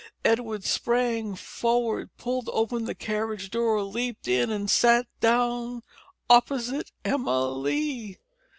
Edwin sprang forward, pulled open the carriage door, leaped in and sat down opposite Emma Lee!